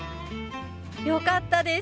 良かったです。